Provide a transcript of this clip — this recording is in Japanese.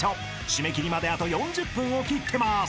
［締め切りまであと４０分を切ってます］